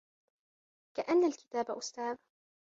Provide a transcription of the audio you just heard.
كَأَنَّ الْكِتَابَ أُسْتَاذٌ.